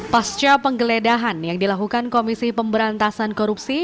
pasca penggeledahan yang dilakukan komisi pemberantasan korupsi